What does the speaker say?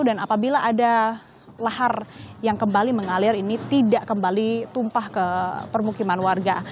dan apabila ada lahar yang kembali mengalir ini tidak kembali tumpah ke permukiman warga